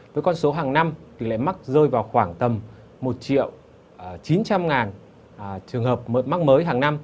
với con số hàng năm tỷ lệ mắc rơi vào khoảng tầm một triệu chín trăm linh trường hợp mắc mới hàng năm